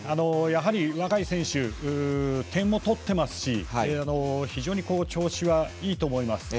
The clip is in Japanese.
やはり、若い選手で点も取っていますし非常に調子がいいと思います。